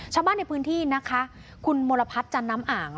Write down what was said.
ชาวบ้านในพื้นที่นะคะคุณมลพัฒน์จันน้ำอ่าง